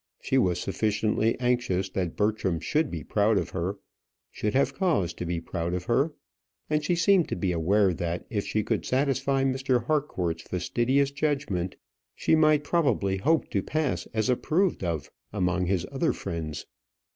She was sufficiently anxious that Bertram should be proud of her, should have cause to be proud of her; and she seemed to be aware that if she could satisfy Mr. Harcourt's fastidious judgment, she might probably hope to pass as approved of among his other friends.